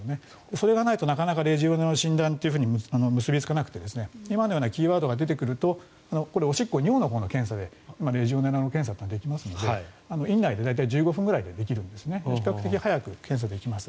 それがないとなかなかレジオネラの診断って結びつかなくて今のようなキーワードが出てくるとこれ、尿の検査でレジオネラの検査ってできますので院内で大体１５分くらいでできるので比較的早く検査できます。